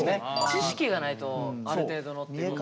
知識がないとある程度のっていう。